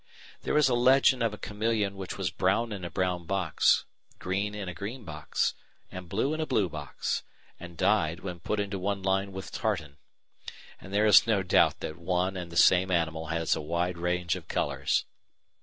There is a legend of a chameleon which was brown in a brown box, green in a green box, and blue in a blue box, and died when put into one lined with tartan; and there is no doubt that one and the same animal has a wide range of colours.